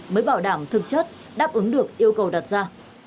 mới bảo đảm thực chất đáp ứng được yêu cầu đặt ra